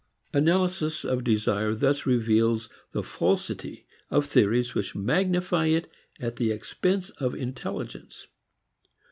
Analysis of desire thus reveals the falsity of theories which magnify it at the expense of intelligence.